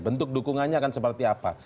bentuk dukungannya akan seperti apa